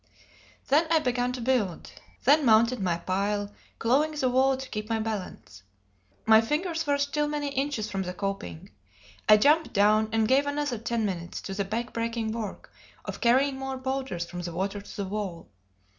Then I began to build; then mounted my pile, clawing the wall to keep my balance. My fingers were still many inches from the coping. I jumped down and gave another ten minutes to the back breaking work of carrying more boulders from the water to the wall.